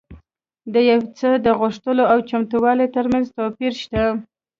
د یو څه د غوښتلو او چمتووالي ترمنځ توپیر شته